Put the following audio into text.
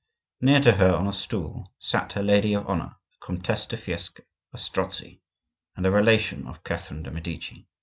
Near to her on a stool sat her lady of honor, the Comtesse de Fiesque, a Strozzi, and a relation of Catherine de' Medici.